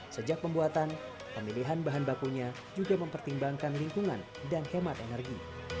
sejak pembuatan pemilihan bahan bakunya juga mempertimbangkan lingkungan dan hemat energi